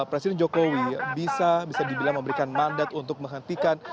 presiden jokowi bisa dibilang memberikan mandat untuk menghentikan